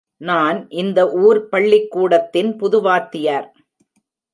நான் இந்த ஊர் பள்ளிக்கூடத்தின் புது வாத்தியார்.